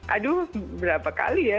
aduh berapa kali ya